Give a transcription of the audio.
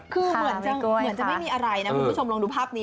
คือเหมือนจะไม่มีอะไรนะคุณผู้ชมลองดูภาพนี้